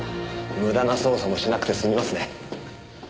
無駄な捜査もしなくて済みますね。